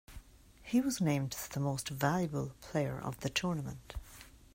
He was named the Most Valuable Player of the tournament.